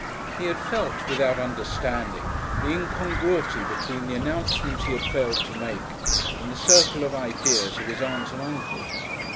He had felt without understanding the incongruity between the announcement he had failed to make and the circle of ideas of his Aunt and Uncle.